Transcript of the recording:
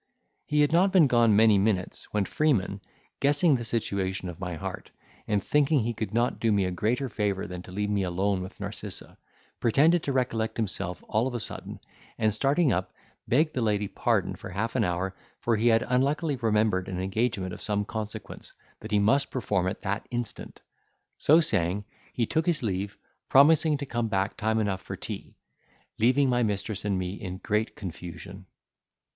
He had not been gone many minutes, when Freeman, guessing the situation of my heart, and thinking he could not do me a greater favour than to leave me alone with Narcissa, pretended to recollect himself all of a sudden, and, starting up, begged the lady pardon for half an hour, for he had unluckily remembered an engagement of some consequence, that he must perform at that instant: so saying, he took his leave, promising to come back time enough for tea, leaving my mistress and me in great confusion.